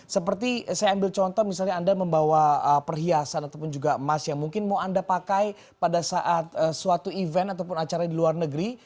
seperti saya ambil contoh misalnya anda membawa perhiasan ataupun juga emas yang mungkin mau anda pakai pada saat suatu event ataupun acara di luar negeri